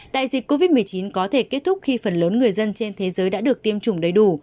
đại dịch covid một mươi chín có thể kết thúc khi phần lớn người dân trên thế giới đã được tiêm chủng đầy đủ